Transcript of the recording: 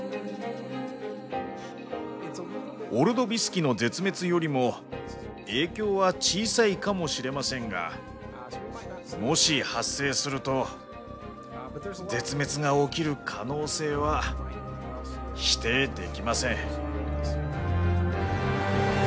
オルドビス紀の絶滅よりも影響は小さいかもしれませんがもし発生すると絶滅が起きる可能性は否定できません。